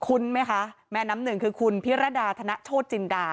ไหมคะแม่น้ำหนึ่งคือคุณพิรดาธนโชธจินดา